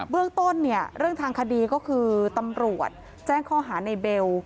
เรื่องต้นเนี่ยเรื่องทางคดีก็คือตำรวจแจ้งข้อหาในเบล